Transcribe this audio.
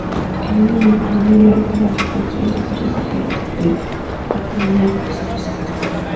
Es un monoplano de ala baja con tren de aterrizaje retráctil y cabina presurizada.